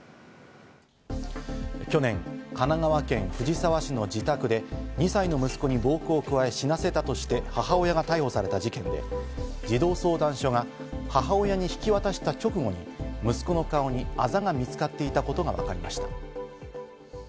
去年、神奈川県藤沢市の自宅で２歳の息子に暴行を加え、死なせたとして母親が逮捕された事件で、児童相談所が母親に引き渡した直後に息子の顔にあざが見つかっていたことがわかりました。